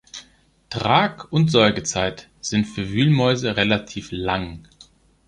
Trag- und Säugezeit sind für Wühlmäuse relativ lang.